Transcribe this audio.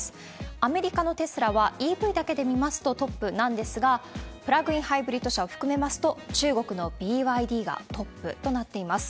アメリカのテスラはＥＶだけで見ますとトップなんですが、プラグインハイブリッド車を含めますと、中国のＢＹＤがトップとなっています。